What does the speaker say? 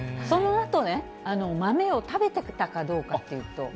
そのあとね、豆を食べてたかどうかというと。